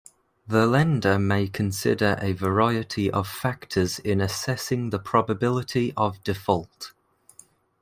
The lender may consider a variety of factors in assessing the probability of default.